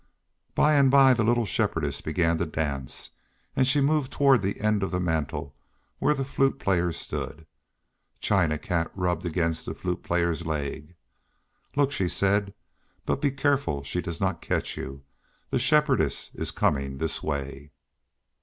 By and by the little Shepherdess began to dance and she moved toward the end of the mantel where the Flute Player stood. China Cat rubbed against the Flute Player's leg. "Look," she said, "but be careful she does not catch you; the Shepherdess is coming this way."